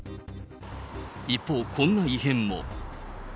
一方、こんな異変も。